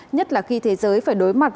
nhất là khi thế giới phải đối mặt